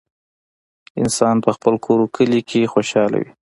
انسان په خپل کور او کلي کې خوشحاله وي